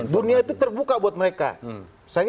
dunia itu terbuka buat mereka